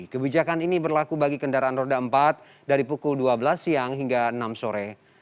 kebijakan ini berlaku bagi kendaraan roda empat dari pukul dua belas siang hingga enam sore